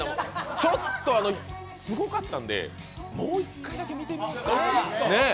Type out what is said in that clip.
ちょっと、すごかったんで、もう一回だけ見てみますか？